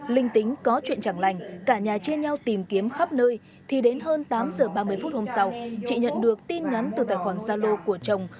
linh tính có chuyện chẳng lành cả nhà chia nhau tìm kiếm khắp nơi thì đến hơn tám h ba mươi phút hôm sau chị nhận được tin nhắn từ tài khoản gia lô của chồng